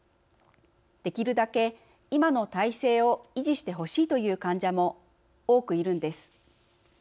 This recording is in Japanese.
できるだけ、今の体制を維持してほしいという患者も多くいるんです。